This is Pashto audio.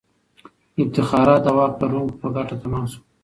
افتخارات د واک لرونکو په ګټه تمام سول.